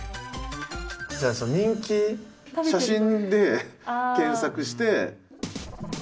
じゃあさ人気写真で検索して。